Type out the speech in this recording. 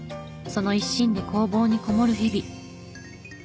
その一心で工房にこもる日々。